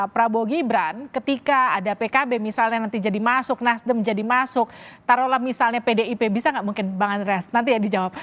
prabowo gibran ketika ada pkb misalnya nanti jadi masuk nasdem jadi masuk taruhlah misalnya pdip bisa nggak mungkin bang andreas nanti ya dijawab